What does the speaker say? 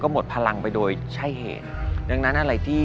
ก็ไม่หัสใจนะครับ